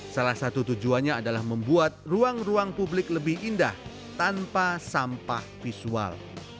salah satu tujuannya adalah membuat ruang ruang publik lebih indah tanpa sampah visual